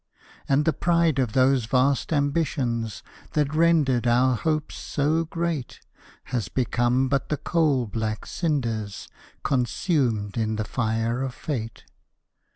And the pride of those vast ambitions, That rendered our hopes so great Has become but the coal black cinders, Consumed in the fire of fate.